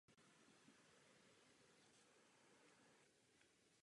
A tak to má být.